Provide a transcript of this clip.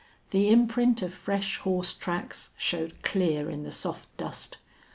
The imprint of fresh horse tracks showed clear in the soft dust.